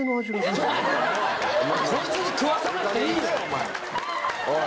こいつに食わせなくていいよ！